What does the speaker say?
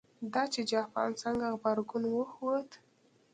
دا چې جاپان څنګه غبرګون وښود.